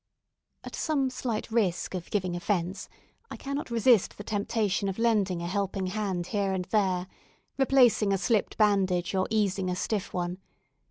At some slight risk of giving offence, I cannot resist the temptation of lending a helping hand here and there replacing a slipped bandage, or easing a stiff one.